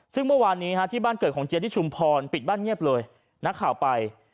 ซึ่งเมื่อวานนี้ที่บ้านเกิดของเจ๊ที่ชุมพรปิดบ้านเงียบเลยนักข่าวไป